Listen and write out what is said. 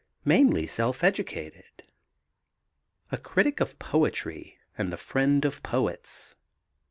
Mainly self educated. A critic of poetry and the friend of poets.